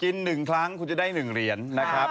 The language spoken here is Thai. กินหนึ่งครั้งคุณจะได้หนึ่งเหรียญนะครับ